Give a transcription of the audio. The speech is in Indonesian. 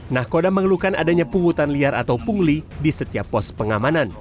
nah kodam mengeluhkan adanya puhutan liar atau pungli di setiap pos pengamanan